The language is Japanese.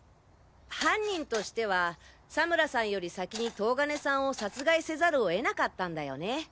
犯人としては佐村さんより先に東金さんを殺害せざるを得なかったんだよね。